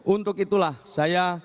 untuk itulah saya